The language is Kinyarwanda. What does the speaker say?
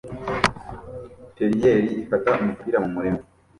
Terrier ifata umupira mumurima